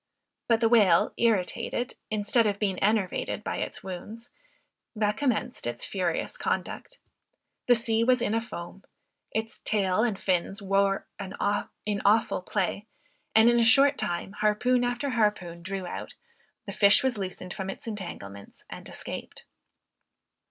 But the whale irritated, instead of being enervated by its wounds, recommenced its furious conduct. The sea was in a foam. Its tail and fins wore in awful play; and in a short time, harpoon after harpoon drew out, the fish was loosened from its entanglements and escaped.